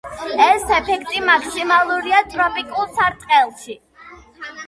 ეს ეფექტი მაქსიმალურია ტროპიკულ სარტყელში.